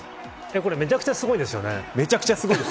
これめちゃくちゃすごいですよね。